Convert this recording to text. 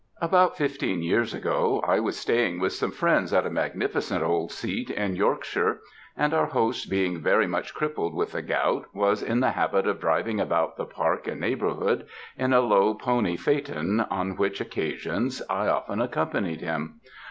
"About fifteen years ago, I was staying with some friends at a magnificent old seat in Yorkshire, and our host being very much crippled with the gout, was in the habit of driving about the park and neighbourhood in a low pony phaeton, on which occasions, I often accompanied him.